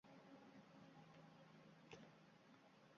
Bola bo‘lg‘an taqdirdayam butun bo‘lmaydi